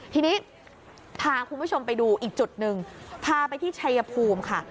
ทีนี้พาคุณผู้ชมไปดูอีกจุดหนึ่งพาไปที่ชัยภูมิค่ะ